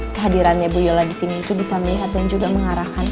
kehadirannya bu yola di sini itu bisa melihat dan juga mengarahkan